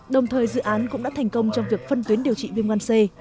đồng thời dự án cũng đã thành công trong việc phân tuyến điều trị viêm gan c